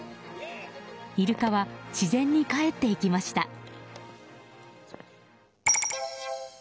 イルカは自然に帰っていきました。